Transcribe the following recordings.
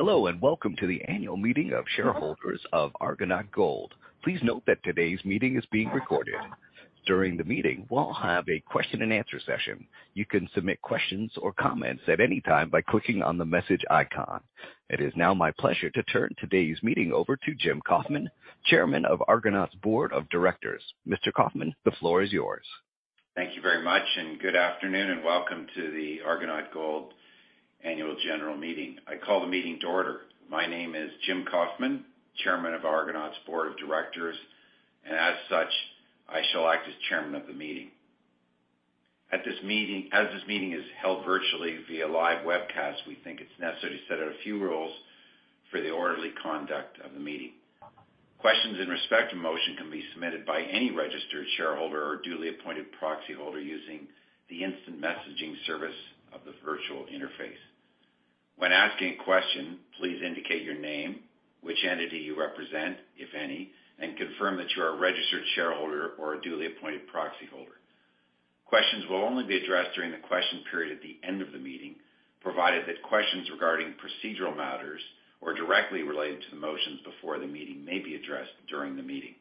Hello, welcome to the annual meeting of shareholders of Argonaut Gold. Please note that today's meeting is being recorded. During the meeting, we'll have a question and answer session. You can submit questions or comments at any time by clicking on the message icon. It is now my pleasure to turn today's meeting over to Jim Kauffman, chairman of Argonaut's board of directors. Mr. Kauffman, the floor is yours. Thank you very much. Good afternoon and welcome to the Argonaut Gold Annual General Meeting. I call the meeting to order. My name is Jim Kauffman, chairman of Argonaut's board of directors. As such, I shall act as chairman of the meeting. As this meeting is held virtually via live webcast, we think it's necessary to set out a few rules for the orderly conduct of the meeting. Questions in respect to motion can be submitted by any registered shareholder or duly appointed proxyholder using the instant messaging service of the virtual interface. When asking a question, please indicate your name, which entity you represent, if any, and confirm that you are a registered shareholder or a duly appointed proxyholder. Questions will only be addressed during the question period at the end of the meeting, provided that questions regarding procedural matters or directly related to the motions before the meeting may be addressed during the meeting.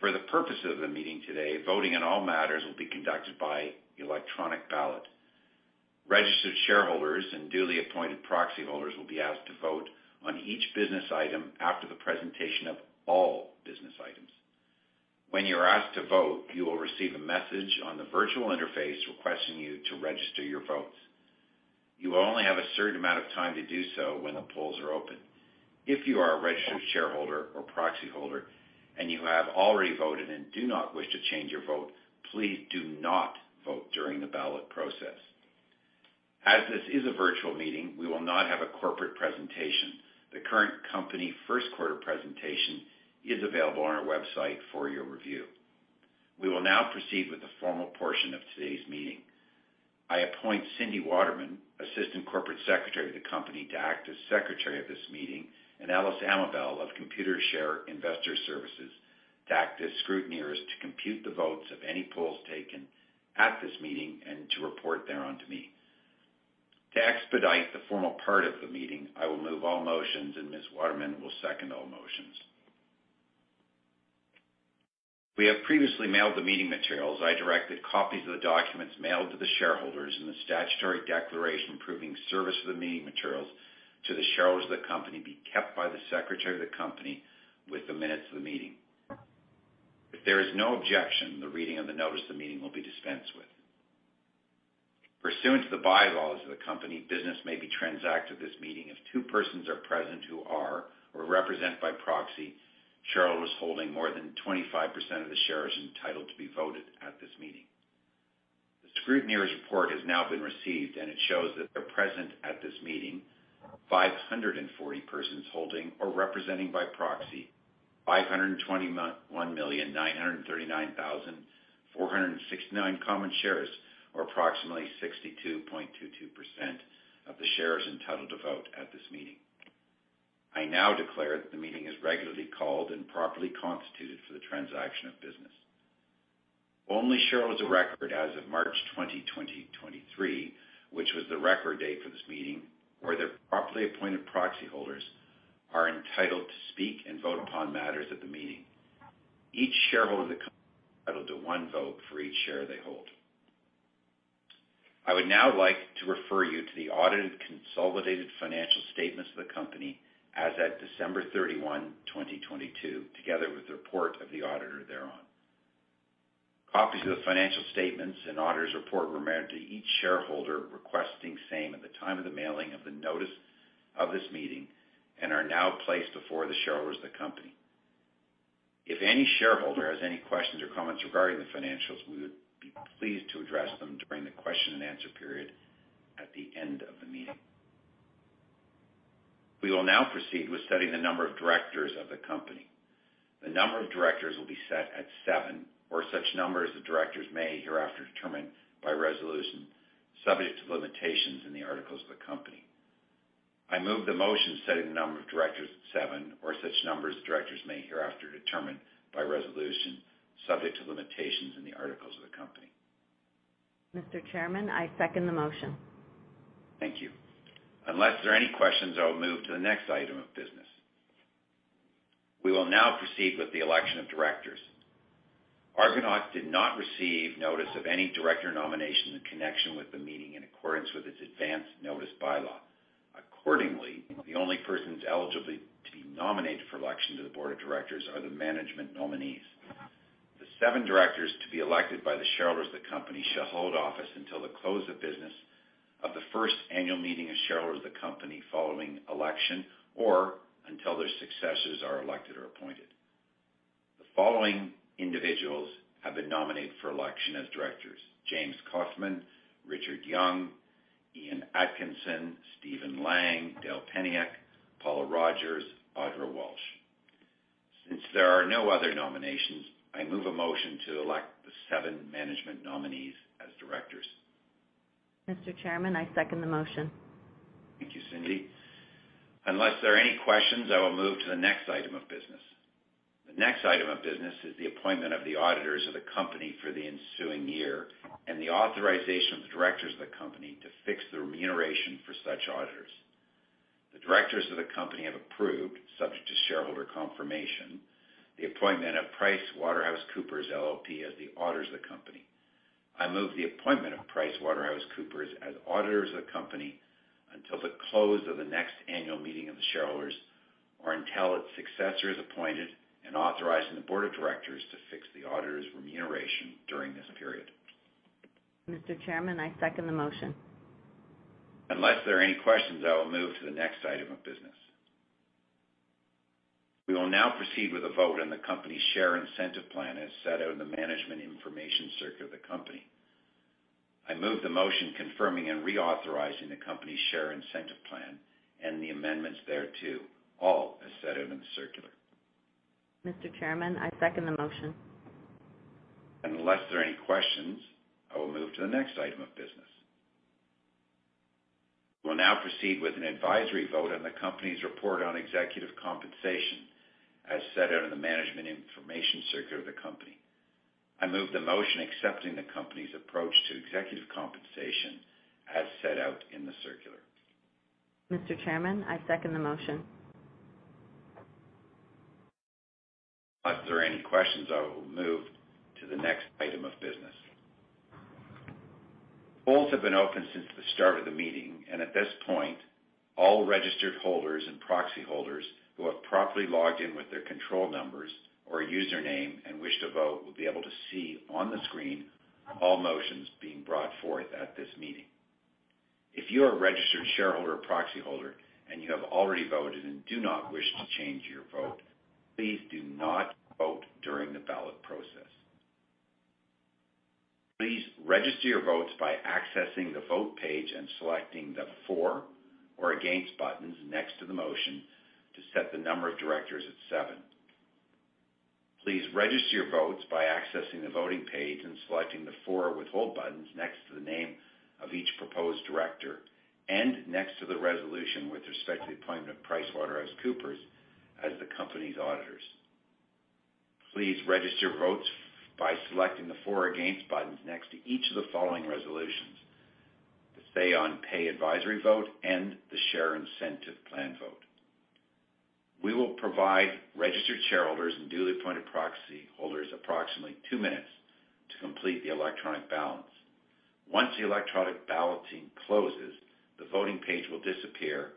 For the purpose of the meeting today, voting on all matters will be conducted by electronic ballot. Registered shareholders and duly appointed proxyholders will be asked to vote on each business item after the presentation of all business items. When you're asked to vote, you will receive a message on the virtual interface requesting you to register your votes. You will only have a certain amount of time to do so when the polls are open. If you are a registered shareholder or proxyholder, and you have already voted and do not wish to change your vote, please do not vote during the ballot process. As this is a virtual meeting, we will not have a corporate presentation. The current company first quarter presentation is available on our website for your review. We will now proceed with the formal portion of today's meeting. I appoint Cindy Waterman, Assistant Corporate Secretary of the company, to act as Secretary of this meeting, and Alice Amabel of Computershare Investor Services Inc. to act as scrutineers to compute the votes of any polls taken at this meeting and to report thereon to me. To expedite the formal part of the meeting, I will move all motions, and Ms. Waterman will second all motions. We have previously mailed the meeting materials. I direct that copies of the documents mailed to the shareholders in the statutory declaration proving service of the meeting materials to the shareholders of the company be kept by the Secretary of the company with the minutes of the meeting. If there is no objection, the reading of the notice of the meeting will be dispensed with. Pursuant to the bylaws of the company, business may be transacted at this meeting if two persons are present who are, or represented by proxy, shareholders holding more than 25% of the shares entitled to be voted at this meeting. The scrutineer's report has now been received. It shows that they're present at this meeting, 540 persons holding or representing by proxy 1,939,469 common shares, or approximately 62.22% of the shares entitled to vote at this meeting. I now declare that the meeting is regularly called and properly constituted for the transaction of business. Only shareholders of record as of March 20, 2023, which was the record date for this meeting, or their properly appointed proxyholders, are entitled to speak and vote upon matters at the meeting. Each shareholder of the company is entitled to one vote for each share they hold. I would now like to refer you to the audited consolidated financial statements of the company as at December 31, 2022, together with the report of the auditor thereon. Copies of the financial statements and auditor's report were mailed to each shareholder requesting same at the time of the mailing of the notice of this meeting and are now placed before the shareholders of the company. If any shareholder has any questions or comments regarding the financials, we would be pleased to address them during the question and answer period at the end of the meeting. We will now proceed with setting the number of directors of the company. The number of directors will be set at 7 or such numbers the directors may hereafter determine by resolution subject to limitations in the articles of the company. I move the motion setting the number of directors at seven or such numbers the directors may hereafter determine by resolution subject to limitations in the articles of the company. Mr. Chairman, I second the motion. Thank you. Unless there are any questions, I will move to the next item of business. We will now proceed with the election of directors. Argonaut did not receive notice of any director nomination in connection with the meeting in accordance with its advance notice bylaw. Accordingly, the only persons eligible to be nominated for election to the board of directors are the management nominees. The seven directors to be elected by the shareholders of the company shall hold office until the close of business of the first annual meeting of shareholders of the company following election or until their successors are elected or appointed. The following individuals have been nominated for election as directors: James Kofman, Richard Young, Ian Atkinson, Stephen Lang, Dale Peniuk, Paula Rogers, Audra Walsh. Since there are no other nominations, I move a motion to elect the seven management nominees as directors. Mr. Chairman, I second the motion. Thank you, Cindy. Unless there are any questions, I will move to the next item of business. The next item of business is the appointment of the auditors of the company for the ensuing year and the authorization of the directors of the company to fix the remuneration for such auditors. The directors of the company have approved, subject to shareholder confirmation, the appointment of PricewaterhouseCoopers LLP as the auditors of the company. I move the appointment of PricewaterhouseCoopers as auditors of the company until the close of the next annual meeting of the shareholders, or until its successors appointed and authorizing the board of directors to fix the auditors' remuneration during this period. Mr. Chairman, I second the motion. Unless there are any questions, I will move to the next item of business. We will now proceed with a vote on the company's share incentive plan, as set out in the management information circular of the company. I move the motion confirming and reauthorizing the company's share incentive plan and the amendments thereto, all as set out in the circular. Mr. Chairman, I second the motion. Unless there are any questions, I will move to the next item of business. We'll now proceed with an advisory vote on the company's report on executive compensation as set out in the management information circular of the company. I move the motion accepting the company's approach to executive compensation as set out in the circular. Mr. Chairman, I second the motion. Unless there are any questions, I will move to the next item of business. Polls have been open since the start of the meeting, and at this point, all registered holders and proxy holders who have properly logged in with their control numbers or username and wish to vote will be able to see on the screen all motions being brought forth at this meeting. If you are a registered shareholder or proxy holder and you have already voted and do not wish to change your vote, please do not vote during the ballot process. Please register your votes by accessing the Vote page and selecting the For or Against buttons next to the motion to set the number of directors at seven. Please register your votes by accessing the Voting page and selecting the For or Withhold buttons next to the name of each proposed director and next to the resolution with respect to the appointment of PricewaterhouseCoopers as the company's auditors. Please register votes by selecting the For or Against buttons next to each of the following resolutions: the say on pay advisory vote and the share incentive plan vote. We will provide registered shareholders and duly appointed proxy holders approximately two minutes to complete the electronic ballots. Once the electronic balloting closes, the voting page will disappear,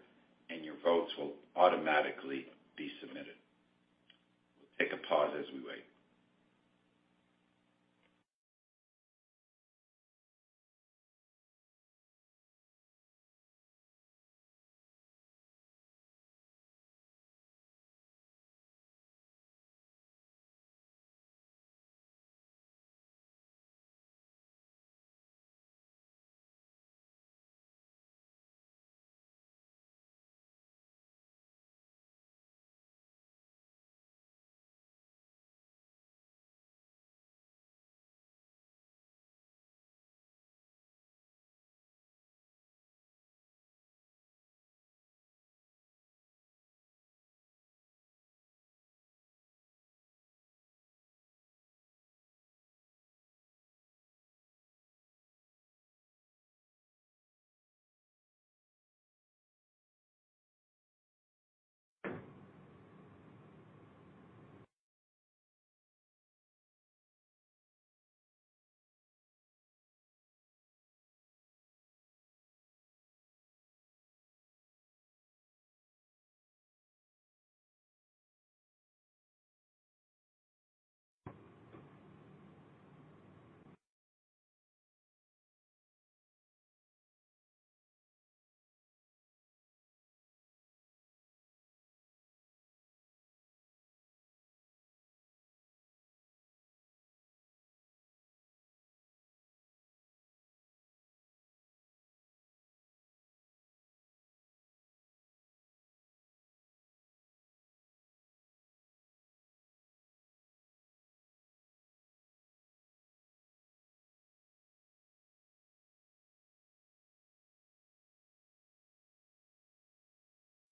and your votes will automatically be submitted. We'll take a pause as we wait.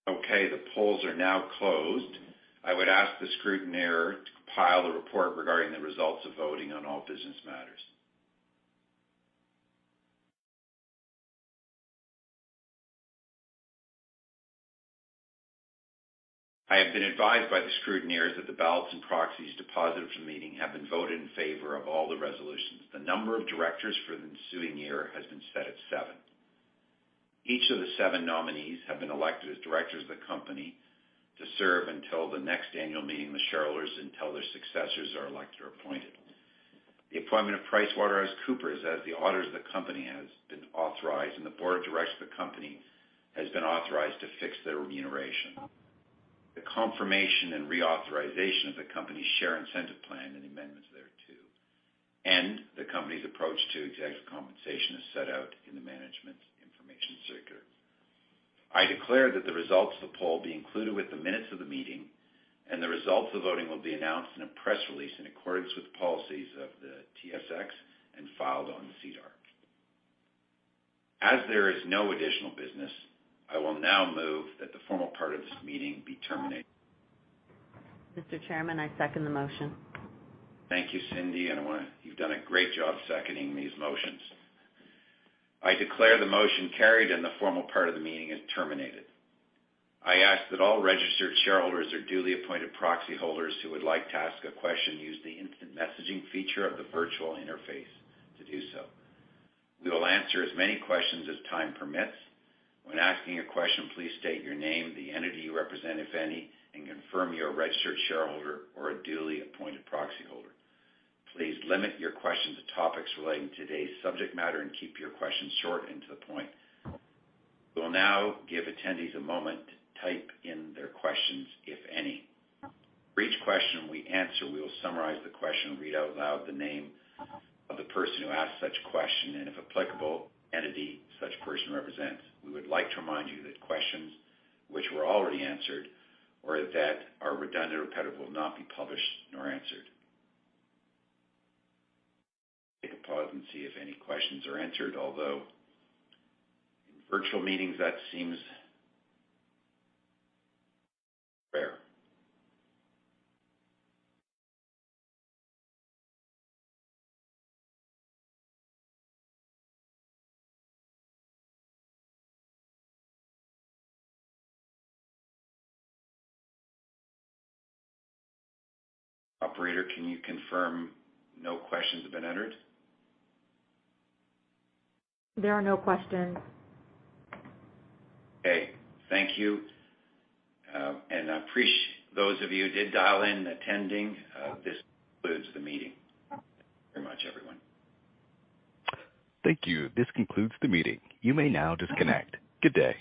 Okay, the polls are now closed. I would ask the scrutineer to compile the report regarding the results of voting on all business matters. I have been advised by the scrutineers that the ballots and proxies deposited for the meeting have been voted in favor of all the resolutions. The number of directors for the ensuing year has been set at seven. Each of the seven nominees have been elected as directors of the company to serve until the next annual meeting of the shareholders until their successors are elected or appointed. The appointment of PricewaterhouseCoopers as the auditors of the company has been authorized, and the board of directors of the company has been authorized to fix their remuneration. The confirmation and reauthorization of the company's share incentive plan and amendments thereto, and the company's approach to executive compensation as set out in the management information circular. I declare that the results of the poll be included with the minutes of the meeting, and the results of voting will be announced in a press release in accordance with the policies of the TSX and filed on SEDAR. As there is no additional business, I will now move that the formal part of this meeting be terminated. Mr. Chairman, I second the motion. Thank you, Cindy. You've done a great job seconding these motions. I declare the motion carried and the formal part of the meeting is terminated. I ask that all registered shareholders or duly appointed proxy holders who would like to ask a question use the instant messaging feature of the virtual interface to do so. We will answer as many questions as time permits. When asking a question, please state your name, the entity you represent, if any, and confirm you're a registered shareholder or a duly appointed proxy holder. Please limit your questions to topics relating to today's subject matter and keep your questions short and to the point. We will now give attendees a moment to type in their questions, if any. For each question we answer, we will summarize the question and read out loud the name of the person who asked such question and, if applicable, entity such person represents. We would like to remind you that questions which were already answered or that are redundant or repetitive will not be published nor answered. Take a pause and see if any questions are entered, although in virtual meetings, that seems rare. Operator, can you confirm no questions have been entered? There are no questions. Okay. Thank you. I apprec-those of you who did dial in attending, this concludes the meeting. Thank you very much everyone. Thank you. This concludes the meeting. You may now disconnect. Good day.